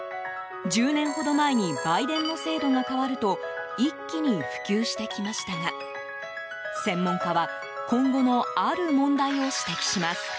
１０年ほど前に売電の制度が変わると一気に普及してきましたが専門家は、今後のある問題を指摘します。